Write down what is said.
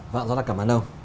vâng rất là cảm ơn ông